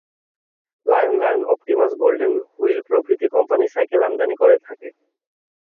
Lion, Lion Optimus, Golden Wheel প্রভৃতি company cycle আমদানি করে থাকে।